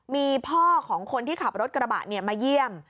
มีพ่อของคนที่ขับรถกระบะมาเยี่ยม